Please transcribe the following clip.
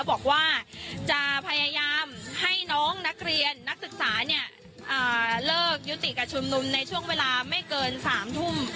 บอกว่าจะพยายามให้น้องนักเรียนนักศึกษาเนี่ยเลิกยุติการชุมนุมในช่วงเวลาไม่เกิน๓ทุ่ม